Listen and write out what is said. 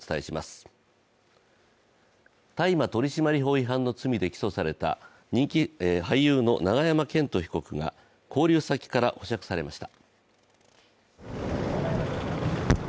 大麻取締法違反の罪で起訴された人気俳優の永山絢斗被告が勾留先から保釈されました。